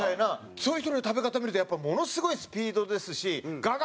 そういう人の食べ方を見るとものすごいスピードですしガガ